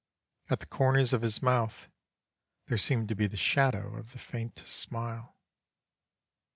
At the corners of his mouth there seemed to be the shadow of the faintest smile.